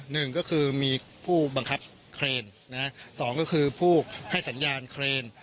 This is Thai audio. หนึ่งก็คือมีผู้บังคับเครนนะฮะสองก็คือผู้ให้สัญญาณเครน